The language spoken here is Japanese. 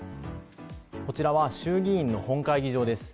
こちらは衆議院の本会議場です。